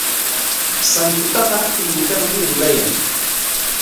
Sankutaqa trigopikmi rurayan.